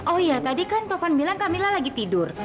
oh iya tadi kan taufan bilang kamilah lagi tidur